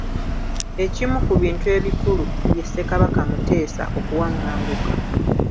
Ekimu ku bintu ebikulu ye Ssekabaka Muteesa okuwaŋŋanguka.